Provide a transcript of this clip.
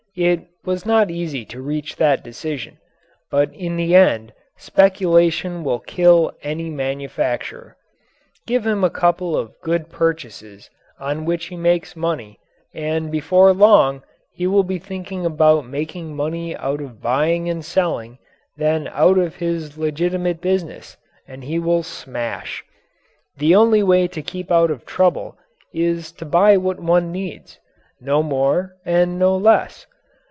It was not easy to reach that decision. But in the end speculation will kill any manufacturer. Give him a couple of good purchases on which he makes money and before long he will be thinking more about making money out of buying and selling than out of his legitimate business, and he will smash. The only way to keep out of trouble is to buy what one needs no more and no less.